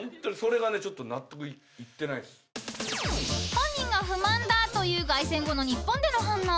［本人が不満だという凱旋後の日本での反応］